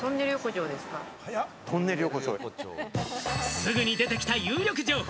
すぐに出てきた有力情報。